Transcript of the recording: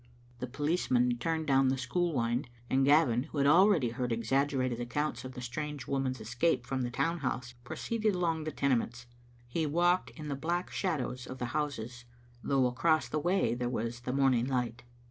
The policeman turned down the school wynd, and Gavin, who had already heard exaggerated accounts of the strange woman's escape from the town house, pro ceeded along the Tenements. He walked in the black shadows of the houses, though across the way there was the morning light.